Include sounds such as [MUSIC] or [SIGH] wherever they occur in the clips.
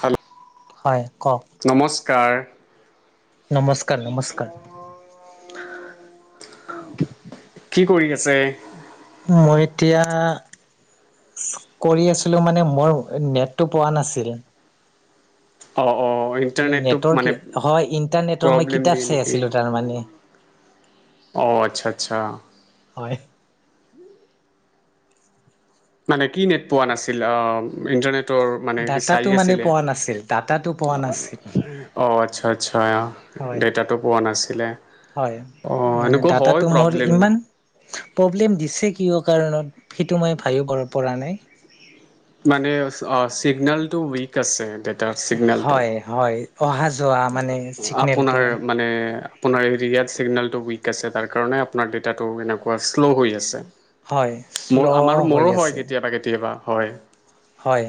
Hello হয় কওক নমস্কাৰ কাৰা নমস্কাৰ নমস্কাৰ কি কৰি আছে মই এতিয়া কৰি আছিলো মানে মোৰ নেটটো পোৱা নাছিল অঅঁ নেটৰ কি হয় ইণ্টাৰনেটৰ মই প্ৰব্লেম দিয়ে কিতাপ চাই নেকি আছিলো তাৰমানে অঁ আচ্ছা আচ্ছা হয় মানে কি নেট পোৱা নাছিল অঁ ইন্টাৰনেট ডাটাটো মানে পোৱা নাছিল ডাটাটো পোৱা নাছিল অঁ আচ্ছা আচ্ছা হয় ডেটাটো পোৱা নাছিলে হয় অঁ মানে এনেকুৱা হয় ডাতাটো মোৰ প্ৰব্লেম ইমান প্ৰব্লেম দিছে কিয় কাৰণত সেইটো মই ভাবিব পৰা নাই মানে অ চিগনেলটো উইক আছে তাৰ ছিগনেলটো হয় হয় অহা যোৱা মানে চিগনেলটো আপোনাৰ মানে আপোনাৰ এৰিয়াত চিগনেলটো উইক আছে তাৰ কাৰণে আপোনাৰ ডেটাটো এ কেনেকুৱা আছে শ্ল' হৈ আছে হয় মোৰ শ্ল' আমাৰো হৈ মৰো হয় আছে কেতিয়াবা কেতিয়াবা হয় হয়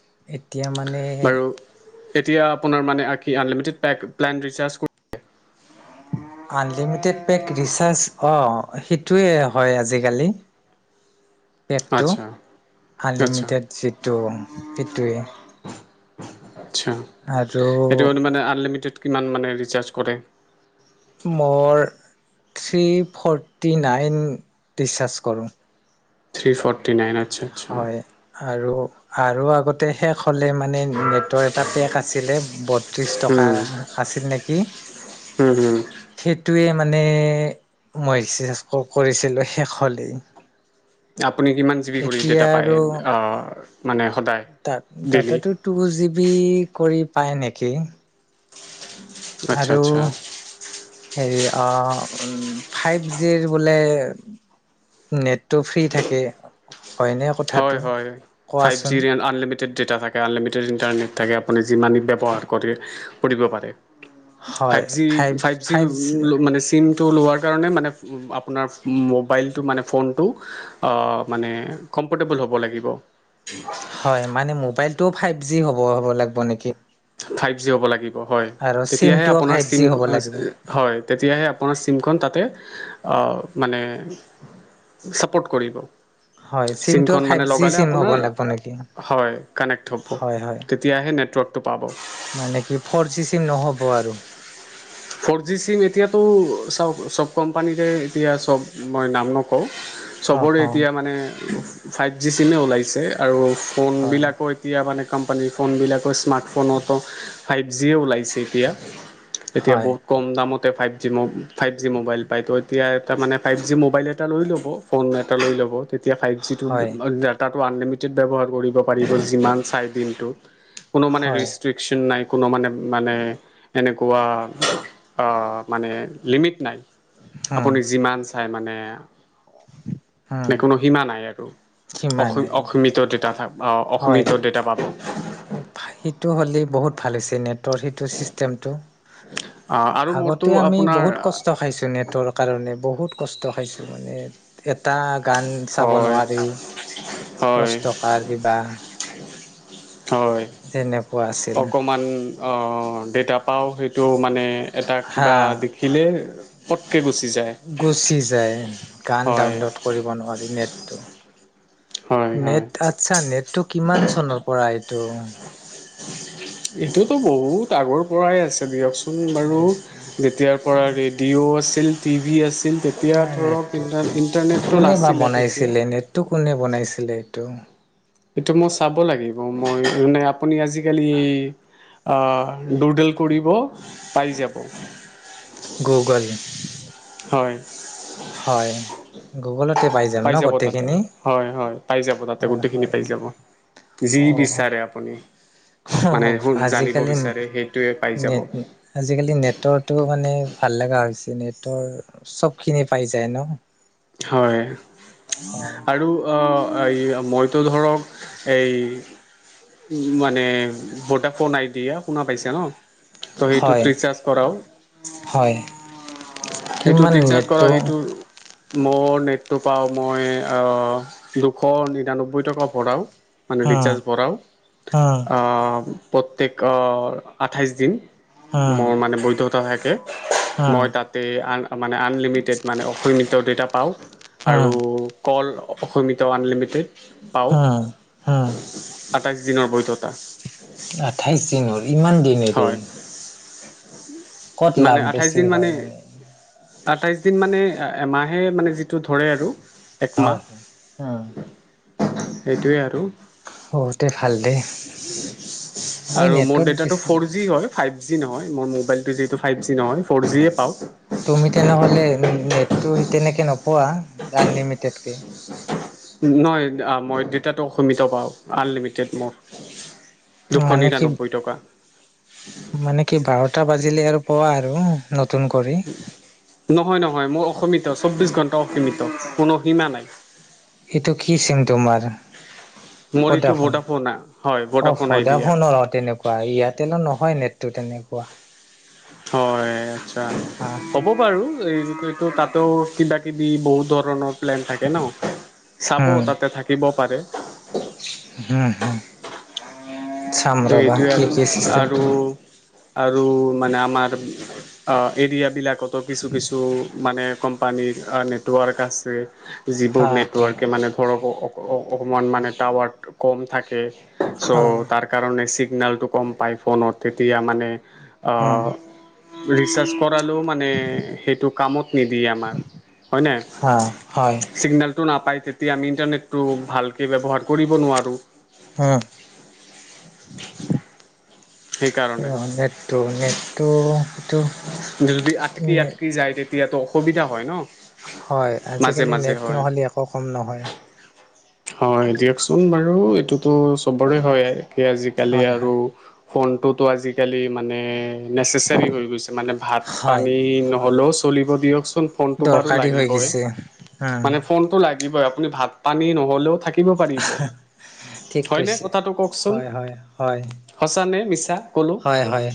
এক এতিয়া মানে বাৰু এতিয়া আপোনাৰ মানে আঁকি আনলিমিটেড পেগ প্লেন ৰিচাৰ্জ কৰি আনলিমিটেড পেক ৰিচাৰ্জ অ সেইটোৱে হয় আজিকালি পেগটো আচ্ছা আচ্ছা আনলিমিটেড যিটো সিটোৱে আচ্ছা এইটো ম মানে আনলিমিটেড কিমান মানে ৰিচাৰ্জ কৰে মোৰ three forty nine recharge কৰোঁ থ্ৰী ফটি থৰ্টি নাইন আচ্ছা আচ্ছা হয় আৰু আৰু আগতে শেষ হ'লে মানে নেটৰ এটা পেক আছিলে বত্ৰিশ টকা উম আছিল নেকি উম হম সেইটোৱে মানে মই এক্সাৰচাইজ কৰিছিলো শেষ হলেই আ আপুনি কিমান জিবি ডাটা কৰি পায় মান ডাটা টো টু জি বি কৰি উপায় নেকি আচ্ছা আৰু আচ্ছা হেৰি ফাইভ জিৰ বোলে নেটটো ফ্ৰী থাকে হয়নে কথাটো হয় হয় হয় ফাইভ কোৱাচোন জিলিমিট টেড ডেটা থাকে আলিমিটেড ইণ্টাৰনেট থাকে আপুনি যি মানি ব্যৱহাৰ কৰি দ পাৰে ফাইভ জি ফাইভ জি মানে চিম টো লোৱাৰ কাৰণে মানে আপোনাৰ মোবাইলটো মানে ফোনটো মানে কম্ফৰ্টেবল হ'ব লাগিব। হয় মানে মোবাইল টো ফাইভ জি হ'ব, হ'ব লাগিব নেকি? ফাইভ জি হ'ব লাগিব। হয়। আৰু তেতিয়াহে চিমটোও আপোনাৰ, ফাইভ জি হ'ব লাগিব আপোনাৰ চিম, হয়, চিমখন তাতে মানে ছাপোৰ্ট কৰিব। হয় চিমটোও চিমখন ফাইভ মানে জি লগালে, চিম হ'ব আপোনাৰ লাগিব নেকি হয়, কানেক্ট হ'ব। হয় হয় তেতিয়াহে নেটৱৰ্কটো পাব। মানে কি ফ'ৰ জি চিম নহ'ব আৰু? ফ'ৰ জি চিম এতিয়াতটো চাওক, চব কোম্পানীৰে এতিয়া চব মই নাম নকওঁ হয় চবৰে এতিয়া মানে ফাইভ জি চিমে ওলাইছে, আৰু ফোন হয় বিলাকো এতিয়া মানে কোম্পানীৰ ফবিলাকৰ স্মাৰ্ট ফোনটো ফাইভ জিয়ে ওলাইছে এতিয়া। এতিয়া হয় বহুত কম দামতে ফাইভ জি ম ফাইভ জি মোবাইল পায় তো, এতিয়া এটা মানে ফাইভ জি মোবাইল এটা লৈ ল'ব। ফোন এটা লৈ ল'ব। তেতিয়া ফাইভ জিটো ডাটা টো আনলিমিটেড ব্যৱহাৰ কৰিব পাৰিব, যিমান চাই দিনটো। কোনো মানে হয় ৰেষ্ট্ৰিক্সন নাই। কোনো মানে, মানে এনেকুৱা মানে লিমিট নাই। হয় আপুনি যিমান চাই মানে নে উম, কোনো সীমা নাই আৰু অ সিমানেই অ, অসিমিত ডাটা থাক। হয়, সেইটো হ'লে বহুত ভালে হৈছে নেট তো সেইটো চিষ্টেমটো, আৰু মোৰতো আগতে আমি আপোনাৰ বহুত কষ্ট খাইছো নেটৰ। কাৰণে বহুত কষ্ট খাইছোঁ মানে এটা গান চাব হয় নোৱাৰি হয় দহ টকাৰ কিবা হয় তেনেকা অকমান ডেটা পাওঁ সেইটো মানে এটা হা কিবা দেখিলে পত গুচি যায় গান হয়। ডাউনলোড কৰিব নোৱাৰি নেট টো হয় হয় নেট আচ্ছা নেটটো কিমান চনৰ পৰা তটো এইটোতো বহুত আগৰ পৰাই আছে দিয়কচোন বাৰু যেতিয়াৰ পৰা ৰেডিঅ' আ টি ভি এছ তেতিয়া ধৰক নেটটো ইণ্টাৰ ইণ্টাৰনেটটো কোনে বা নাছিলে তেতিয়া বনাইছিলে নেটটো কোনে বনাইছিলে এইটো সেইটো মই চাব লাগিব মই মানে আপুনি আজিকালি আ দুৰ্ডেল কৰিব পাই যাব গুগল হয় হয় গুগলতে পাই যাম ন যাব তাতে গোটেইখিনি হয় হয় পাই যাব তাতে হয় গোটেইখিনি হয় পাই যাব যি অ বিচাৰে আপুনি মানে আহ জানিব আজিকালি বিচাৰে সেইটোৱে পাই যাব নে আজিকালি নেটৰটো মানে ভাল লাগা হৈছে নে টৰ চবখিনি পাই যায় ন হয় আৰু অ এই মইতো ধৰক এই মানে ভোদাফোন আইদিয়া শুনা পাইছা ন ত' সেইটোত হয় ৰিচাৰ্জ কৰাও হয় সেইটোত কিমান ৰিচাৰ্জ কৰা নেটটো সেইটো মোৰ নেটটো পাওঁ মই অ দুশ নিৰান্নব্বৈ টকা ভৰাওঁ মানে উম ৰিচাৰ্জ ভৰাওঁ উম অ প্ৰত্যেক অ আঠাইছ দিন উম মোৰ মানে বৈধতা হয় উম মই তাতে আ মানে আনলিমিটেড মানে অসৈম দেটা পাওঁ আৰু উম কল অসমিত আনলিমিটেড হোম হোম আঠাইশ দিনৰ বৈধতা আঠাইশ দিনৰ ইমান দিন এৰে উমচ ক'ত লাভ বেছি হয় মানে আঠাইশ দিন মানে এ এমাহে মানে যিটো ধৰে আৰু একমাহ হয় হয় সেইটোৱে আৰু বহুতে ভাল দেই মই আৰু মোৰ নেটত ডেটাটো বেছি ফ'ৰ জি হয় ফাইভ জি নহয় মোৰ মবাইলটো যিহেতু ফাইভ জি নহয় ফ'ৰ জিয়ে পাওঁ তুমি তেনেহ'লে নে টো তেনেকে নোপোৱা আনলিমিটেডকে নহয় মই ডেটাটো সীমিত পাওঁ আনলিমিটেড মোৰ দুশ মানে কি নিৰান্নব্বৈ টকা মানে কি বাৰটা বাজিলে আৰু পোৱা আৰু নতুন কৰি নহয় নহয় মই অসীমিত চৌবিশ ঘণ্টা অসীমিত কোনো সীমা নাই এইটো কি চিম তোমাৰ মোৰ এইটো ভদাফোন ভোডাফোনা হয় অ ভোডাফোন আইডিয়া ভদাফোনৰ অ তেনেকোৱা এয়াৰটেলৰ নহয় নেটটো তেনেকোৱা কোৱা হয় হ'ব বাৰু এই এইটো তাতো কিবা বি বহু ধৰণৰ প্লেন থাকে ন চাব তাতে থাকিব পাৰে হ হ ত সেইটোৱে আৰু আৰু আৰু মানে আমাৰ এৰিয়াবিলাকতো কিছু কিছু মানে কোম্পানীৰ নেটৱৰ্ক আছে যিবোৰ হা হা নেটৱৰ্কে মানে ধৰক উ অকমান মানে টাৱাৰটো কম থাকে চ' হা তাৰ কাৰণে চিগনেলটো কম পায় ফোনত তেতিয়া মানে উম ৰিচাৰ্জ কৰালেও মানে সেইটো কামত নিদিয়ে আমাৰ হয় হা হয় ন চিগনেল তো নাপাই তেতিয়া আমি ইন্টাৰনেটতো ভালকে ব্যৱহাৰ কৰিব নোৱাৰো হ এ সেইকাৰণে নেটটো নেটটো যদি আটকি নেট আটকি যায় তে দিয়াতো অসুবিধা হয় ন হয় মাজে আজিকালি মাজে নেট হয়। নহ'লে একো কম নহয় হয় দিয়কচোন বাৰু এইটোতো চবৰে হয় কি আজিকালি হয় আৰু হয় ফোনটোতো আজিকালি মানে নেচেচাৰী হৈ গৈছে মানে ভাত হয় পানী নহ'লেও চলিব দিয়ক ফনটো বাৰু দৰকাৰী হৈ লাগিবই গৈছে উম মানে ফনটো লাগি দিবই আপুনি ভাত পানী নহয় ভও থাকে ঠিক হয় কৈছে কথা ককচোন হয় হয় হয় স নে ছ হয় হয়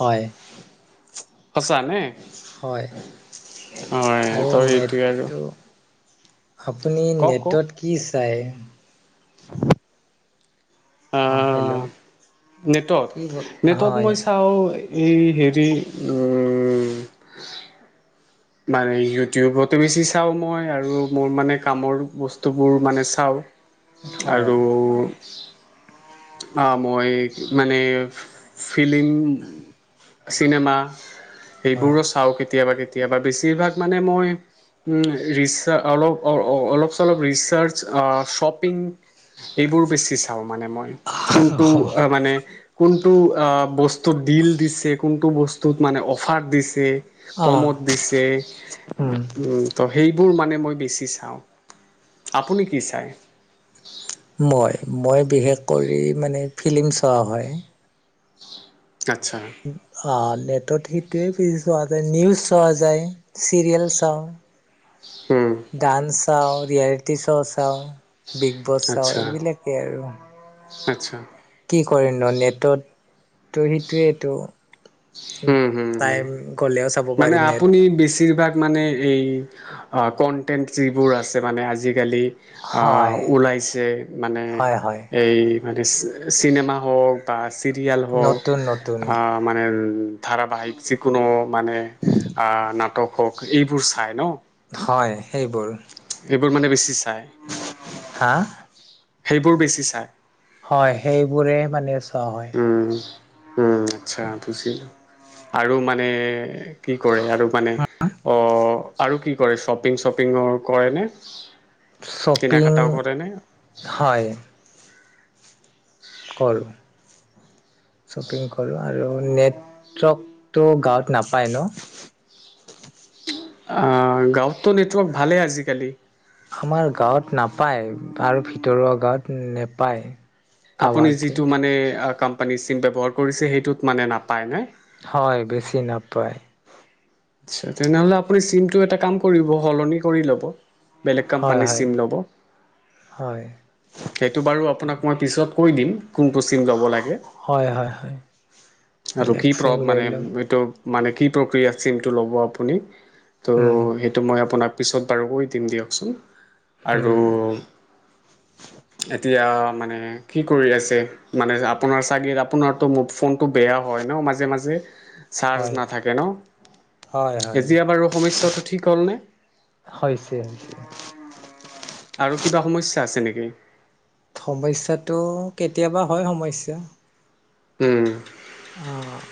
হয় সঁচা নে হয় হয় আৰু ত' সেইটোৱে আৰু নেটটো আপুনি কওক কওক নেটত কি চাই অ হেল্ল' আহ নেটত কি নেটত হয় মই চাওঁ এই হেৰি মানে ইউটিউবতো বেছি চাওঁ মই আৰু মোৰ মানে কামৰ বস্তুবোৰ মানে চাওঁ হয় আৰু আহ মই মানে ফিলিং চিনেমা হয় এইবোৰো চাওঁ কেতিয়াবা কে কেতিয়াবা বেছিভাগ মানে মই ৰিচা অলপ অলপ চলপ ৰিচাৰ্চ শ্বপিং এইবোৰ বেছি চাওঁ মানে কোনটো মানে কোনটো বস্তুত ডিল দিছে কোনটো বস্তুত মানে অফাৰ দিছে অ কমত দিছে উম ত সেই ম মানে মই বেছি চাও আপুনী কি চাই মই মই বিশেষ কৰি মানে ফিল্ম চোৱা হয় উ অ নেটত সেইটোৱে পজ চোৱা যায় নিউজ চোৱা যায় চিৰিয়েল চাওঁ উম, ডান্স চাওঁ ৰিয়েলিটি দোচাও [UNINTELLIGIBLE] বিগ বছ চাওঁ আচ্ছা এইবিলাকেই আৰু আচ্ছা। কি কৰে নো নেটত। ত সেইটোৱেইটো। উম হম হম, টাইম গ'লেও চাব মানে পাৰি নেট আপুনি বেছিভাগ মানে এই। অ কনটেন্ট যিবোৰ আছে মানে আজিকালি। আহ হয় ওলাইছে, মানে হয় হয় এই মানে [INAUDIBLE] চিনেমা হওক বা। চিৰিয়াল হওক, নতুন নতুন আ মানে ধাৰাবাহিক যিকোনো। মানে আ নাটক। হওক সেইবোৰ চাই ন? হয় সেইবোৰ। বোৰ মানে বেছি [INAUDIBLE] [UNINTELLIGIBLE] হা সেইবোৰ বেছি চাই? হয় সেইবোৰে মানে। [INAUDIBLE] উম উম আচ্ছা বুজিলো। আৰু মানে কি কৰে? আৰু আৰু মানে, অঅ আৰু কি কৰে শ্বপিং শ্বপিঙৰ কৰে নে? কিনা শপিং কটাও কৰে নে? হয়। কৰ শ্বপিং কৰোঁ আৰু নেটৱৰ্কটো গাঁৱত নাপায় ন? আহ গাঁৱততো নেটৱৰ্ক ভালেই আজিকালি। আমাৰ গাঁৱত নাপায় আৰু ভিতৰুৱা গাঁৱত নাপায়। আপুনি যিটো মানে আ। কোম্পানীৰ চিম ব্যৱহাৰ কৰিছে, সেইটোত মানে নাপায় নে? হয় বেছি নাপায়। [UNINTELLIGIBLE] তেনেহলে আপুনি চিমটো এটা কাম কৰিব, সলনি কৰি ল'ব। বেলেগ হয় কোম্পানীৰ হয় চিম ল'ব, হয় সেইটো বাৰু আপোনাক মই পিছত। কৈ দিম। কোনটো চিম ল'ব লাগে, হয় হয় হয় আৰু বেলেগ কি প্ৰ চিম লৈ মানে ল'ম এইটো। মানে কি প্ৰক্ৰিয়া? চিমটো ল'ব আপুনি? ত' উম সেইটো মই আপোনাক পিছত বাৰুকৈ দিম দিয়কচোন। আৰু উম এতিয়া মানে কি কৰি আছে মানে আপোনাৰ চাগে আপোনাৰতো ম ফোনটো বেয়া হয় ন মাজে-মাজে। চাৰ্জ হয় নাথাকে ন। হয় হয় এতিয়া বাৰু সমস্যাটো ঠিক হ'লনে? হৈছে হৈছে আৰু কিবা সমস্যা আছে নেকি? সমস্যাটো কেতিয়াবা হয় সমস্যা। হম। অ'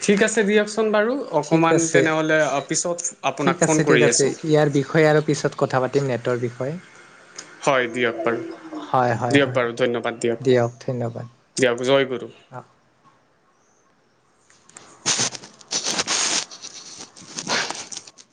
বাৰু ঠিক অকণমান আছে, তেনেহ'লে পিছত আপোনাক ঠিক ফোন আছে, ঠিক কৰি আছে আছোঁ ইয়াৰ বিষয়ে আৰু পিছত কথা পাতিম নেটৰ বিষয়ে। হয় দিয়ক বাৰু হয় হয় দিয়ক হয় বাৰু ধন্যবাদ দিয়ক দিয়ক জয় গুৰু। অঁ